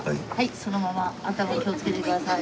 そのまま頭気をつけて下さい。